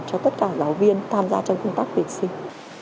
cho tất cả giáo viên tham gia trong công tác tuyển sinh